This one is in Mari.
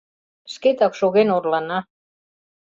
Шкетак шоген орлана.